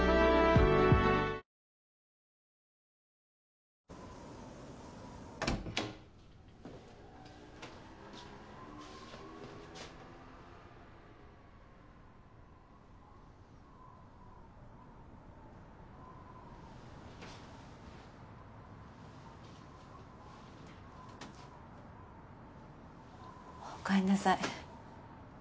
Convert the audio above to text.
あっおかえりなさい。